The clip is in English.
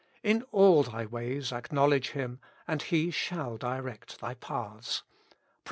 In all thy ways acknowledge Him, and He shall direct thy paths' (Prov.